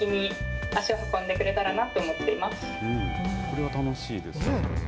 これは楽しいですね。